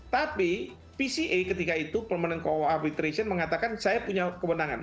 tapi pca ketika itu permanent court of arbitration mengatakan saya punya kebenangan